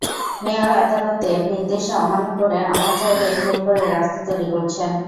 Mayor আদালতের নির্দেশ অমান্য করে আমার জায়গায় জোর করে রাস্তা তৈরি করছেন।